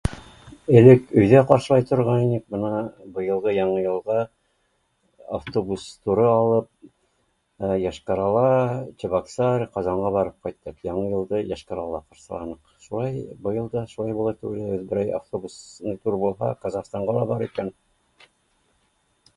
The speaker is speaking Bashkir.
Элек өйҙә ҡаршылай торған инек бына быйылғы яңы йылға автобус туры алып Йошкар-Ола, Чебоксары, Ҡазанға барып ҡайттыҡ, яңы йылды Йошкар-Ола ҡаршыланыҡ шулай быйыл да шулай булыр тип уйлайбыҙ берәй автобус тур булһа Ҡаҙағстанға ла барып етәм